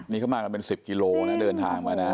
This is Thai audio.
นี่เขามากันเป็น๑๐กิโลนะเดินทางมานะ